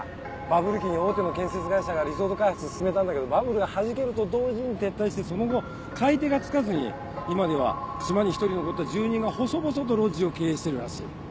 バブル期に大手の建設会社がリゾート開発進めたんだけどバブルが弾けると同時に撤退してその後買い手が付かずに今では島に１人残った住人が細々とロッジを経営してるらしい。